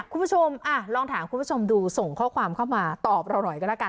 คุณผู้ชมลองถามคุณผู้ชมดูส่งข้อความเข้ามาตอบเราหน่อยก็แล้วกัน